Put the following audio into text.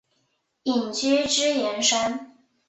隐居支硎山。